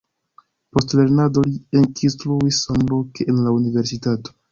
Post lernado li ekinstruis samloke en la universitato.